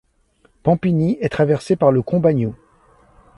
Pampigny est traversée par le Combagnou.